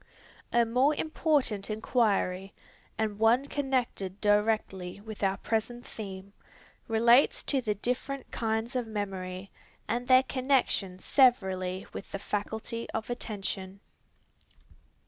A more important inquiry, and one connected directly with our present theme, relates to the different kinds of memory, and their connection severally with the faculty of attention.